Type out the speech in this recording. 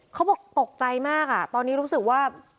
เค้าตกใจมากอะตอนนี้รู้สึกว่า